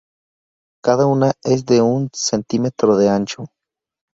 Cada una es de un centímetro de ancho.